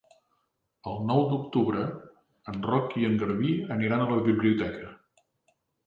El nou d'octubre en Roc i en Garbí aniran a la biblioteca.